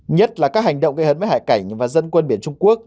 nhất là các hành động gây hấn với hải cảnh và dân quân biển trung quốc